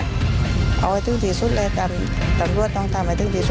เอาไว้ถึงที่สุดเลยตำรวจต้องทำให้ถึงที่สุด